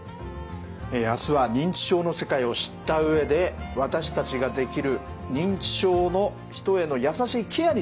明日は認知症の世界を知った上で私たちができる認知症の人への優しいケアについてお伝えしていきます。